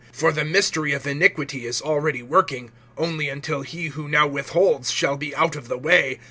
(7)For the mystery of iniquity is already working; only until he who now withholds shall be out of the way.